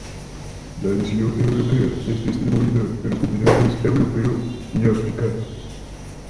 La edición europea es distribuida en los continentes europeo y africano.